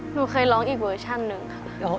หนูเคยร้องอีกเวอร์ชันหนึ่งค่ะ